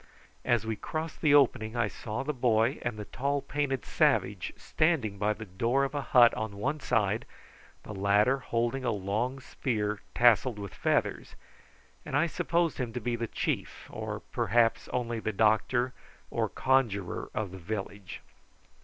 As we crossed the opening I saw the boy and the tall painted savage standing by the door of a hut on one side, the latter holding a long spear tasselled with feathers, and I supposed him to be the chief, or perhaps only the doctor or conjuror of the village.